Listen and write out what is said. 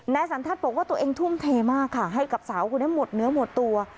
สันทัศน์บอกว่าตัวเองทุ่มเทมากค่ะให้กับสาวคนนี้หมดเนื้อหมดตัว